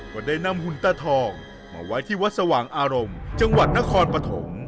ก็ได้นำหุ่นตาทองมาไว้ที่วัดสว่างอารมณ์จังหวัดนครปฐม